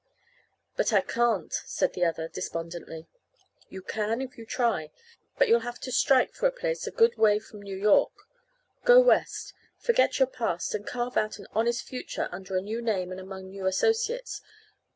"But I can't," said the other, despondently. "You can if you try. But you'll have to strike for a place a good way from New York. Go West, forget your past, and carve out an honest future under a new name and among new associates.